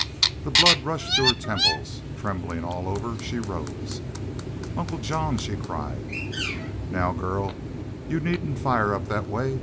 The blood rushed to her temples. Trembling all over, she rose. "Uncle John!" she cried. "Now, girl, you needn't fire up thet way.